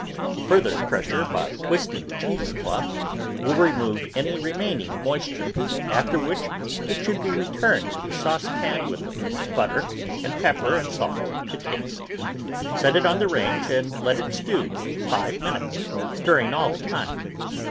Further pressure by twisting the cheese cloth will remove any remaining moisture, after which it should be returned to the saucepan with a piece of butter and pepper and salt to taste. Set it on the range and let it stew five minutes, stirring all the time.